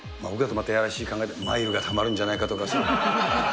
やらしい考えだけど、マイルがたまるんじゃないかとか。